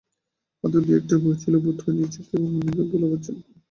হাতে দুই-একটা বই ছিল, বোধ হয় নিজেকে এবং অন্যদেরকে ভোলাবার জন্যে।